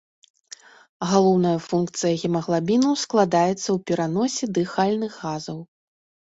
Галоўная функцыя гемаглабіну складаецца ў пераносе дыхальных газаў.